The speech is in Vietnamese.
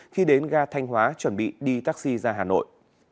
khi đến ga thanh hóa chuẩn bị đi taxi ra hà nội